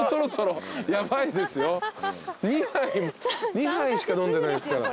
２杯しか飲んでないですから。